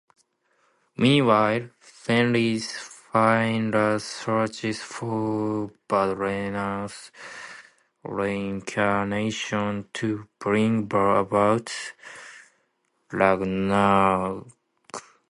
Meanwhile, Fenris Fenrir searches for Balder's reincarnation to bring about Ragnarok.